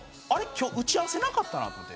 今日打ち合わせなかったなと思って。